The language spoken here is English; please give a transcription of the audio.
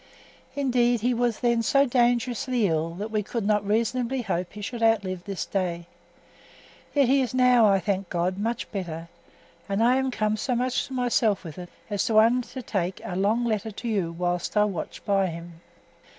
Indeed, he was then so dangerously ill that we could not reasonably hope he should outlive this day; yet he is now, I thank God, much better, and I am come so much to myself with it, as to undertake a long letter to you whilst I watch by him.